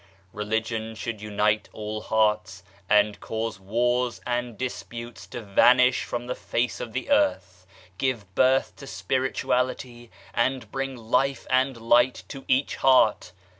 Religion should unite all hearts and cause wars and dis putes to vanish from the face of the earth, give birth to Spirituality, and bring Life and Light to each heart.